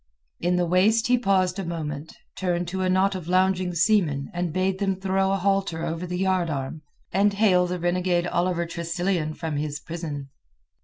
In the waist he paused a moment, turned to a knot of lounging seamen, and bade them throw a halter over the yard arm, and hale the renegade Oliver Tressilian from his prison.